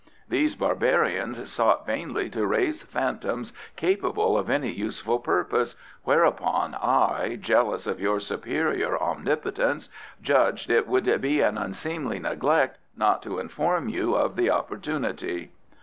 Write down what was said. These barbarians sought vainly to raise phantoms capable of any useful purpose, whereupon I, jealous of your superior omnipotence, judged it would be an unseemly neglect not to inform you of the opportunity."